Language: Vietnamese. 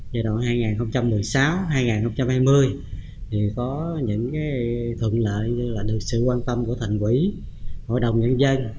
giai đoạn hai nghìn một mươi sáu hai nghìn hai mươi có những thuận lợi như sự quan tâm của thành quỹ hội đồng nhân dân